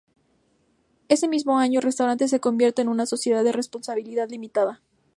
Ese mismo año el restaurante se convierte en una sociedad de responsabilidad limitada.